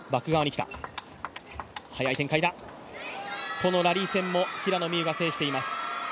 このラリー戦も平野美宇が制しています。